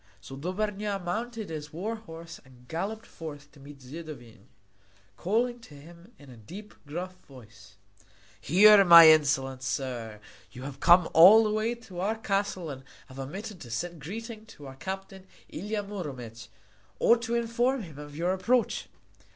So Dobrnja mounted his war horse and galloped forth to meet Zidovin, calling to him in a deep, gruff voice: "Here, my insolent sir, you have come all the way to our castle and have omitted to send greeting to our captain Ilia Muromec, or to inform him of your approach."